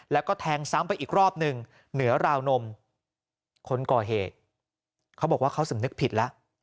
แล้วก็แทงซ้ำไปอีกรอบหนึ่งเหนือราวนมคนก่อเหตุเขาบอกว่าเขาสำนึกผิดแล้ว